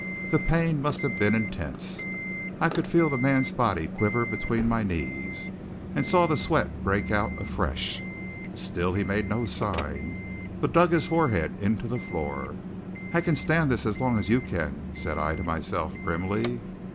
The pain must have been intense. I could feel the man's body quiver between my knees, and saw the sweat break out afresh. Still he made no sign, but dug his forehead into the floor. "I can stand this as long as you can," said I to myself grimly.